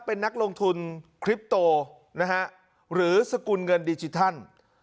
เป็นนักลงทุนคลิปโตนะฮะหรือสกุลเงินดิจิทัล